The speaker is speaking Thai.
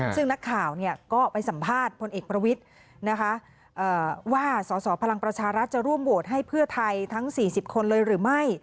ซึ่งนักข่าวก็ไปสัมภาษณ์พลเอกประวิทย์นะคะว่าสสพลังประชารัฐจะร่วมโหวตให้เพื่อไทยทั้ง๔๐คนเลยหรือไม่